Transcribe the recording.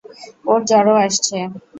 ওর জ্বরও আসছে।